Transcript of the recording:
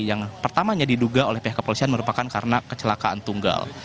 yang pertamanya diduga oleh pihak kepolisian merupakan karena kecelakaan tunggal